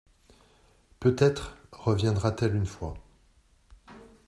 Peut-être reviendra-t-elle une fois.